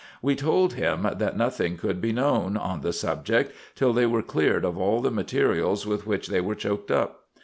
We told him that nothing could be known on the subject till they were cleared of all the materials with which they were choked up.